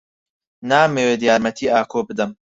نامەوێت یارمەتیی ئاکۆ بدەم.